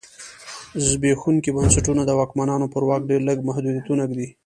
زبېښونکي بنسټونه د واکمنانو پر واک ډېر لږ محدودیتونه ږدي.